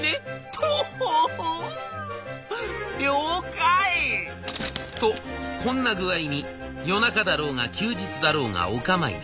「とほほ了解」。とこんな具合に夜中だろうが休日だろうがお構いなし。